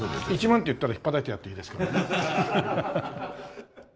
１万って言ったら引っぱたいてやっていいですからね。